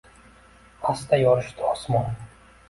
Asta yorishdi osmon.